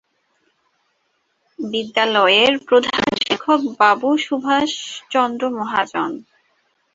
বিদ্যালয়ের প্রধান শিক্ষক বাবু সুভাষ চন্দ্র মহাজন।